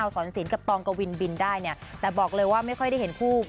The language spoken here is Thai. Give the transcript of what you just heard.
สอนศิลปตองกวินบินได้เนี่ยแต่บอกเลยว่าไม่ค่อยได้เห็นคู่